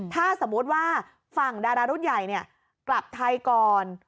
ถ้าสมมุติว่าฝั่งดารารุ่นใหญ่กลับไทยก่อน